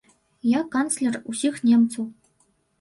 Я канцлер усіх немцаў.